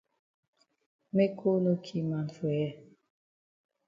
Make cold no ki man for here.